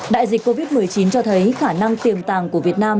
đại dịch covid một mươi chín cho thấy khả năng tiềm tàng của việt nam